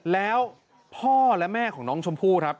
แล้วพ่อและแม่ของน้องชมพู่ครับ